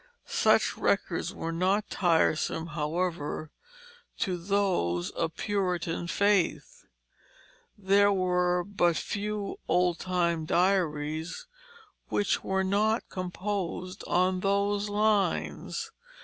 Such records were not tiresome, however, to those of Puritan faith; there were but few old time diaries which were not composed on those lines.